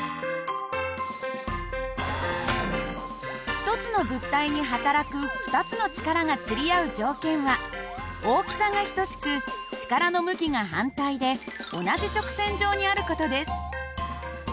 １つの物体に働く２つの力がつり合う条件は大きさが等しく力の向きが反対で同じ直線上にある事です。